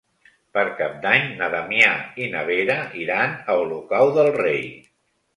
Per Cap d'Any na Damià i na Vera iran a Olocau del Rei.